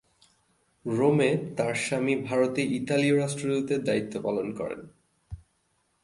রোমে তার স্বামী ভারতে ইতালীয় রাষ্ট্রদূতের দায়িত্ব পালন করেন।